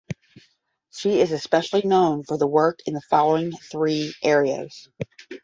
She is especially known for work in the following three areas.